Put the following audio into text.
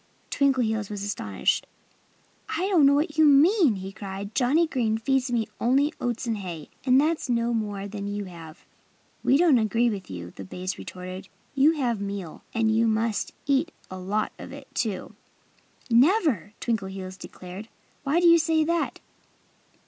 Twinkleheels was astonished. "I don't know what you mean," he cried. "Johnnie Green feeds me only oats and hay; and that's no more than you have." "We don't agree with you," the bays retorted. "You have meal. And you must eat a lot of it, too." "Never!" Twinkleheels declared. "Why do you say that?"